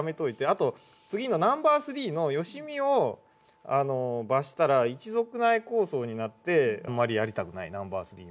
あと次のナンバー３の良相を罰したら一族内抗争になってあんまりやりたくないナンバー３も。